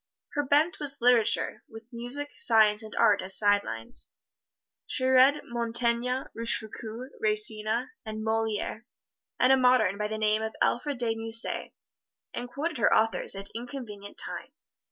Her bent was literature, with music, science and art as side lines. She read Montaigne, Rochefoucald, Racine and Moliere, and a modern by the name of Alfred de Musset, and quoted her authors at inconvenient times.